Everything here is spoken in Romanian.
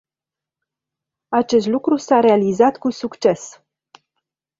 Acest lucru s-a realizat cu succes.